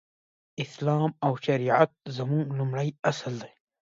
اسلام او شريعت زموږ لومړی اصل دی.